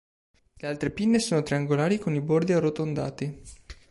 Le altre pinne sono triangolari con i bordi arrotondati.